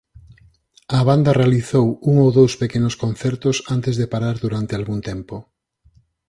A banda realizou un ou dous pequenos concertos antes de parar durante algún tempo.